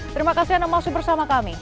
terima kasih anda masih bersama kami